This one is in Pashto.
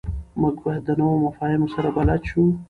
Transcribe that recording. موږ باید د نویو مفاهیمو سره بلد شو.